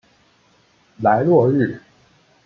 莱洛日。